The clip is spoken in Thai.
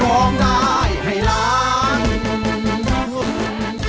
ร้องได้ให้ล้าน